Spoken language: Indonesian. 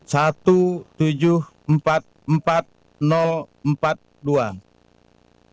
satu tujuh ratus empat puluh empat empat puluh dua suara